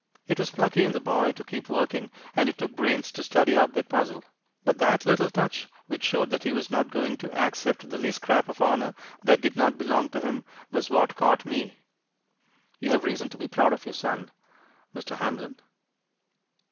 "It was plucky in the boy to keep working, and it took brains to study out that puzzle; but that little touch which showed that he was not going to accept the least scrap of honor that did not belong to him was what caught me. You have reason to be proud of your son, Mr. Hamlin."